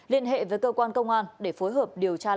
liên hệ với cơ quan công an để phối hợp điều tra làm rõ